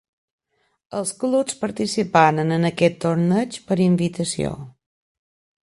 Els clubs participaren en aquest torneig per invitació.